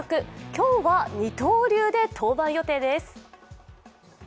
今日は二刀流で登板予定です。